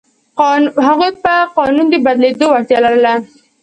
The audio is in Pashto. هغوی په قانون د بدلېدو وړتیا لرله.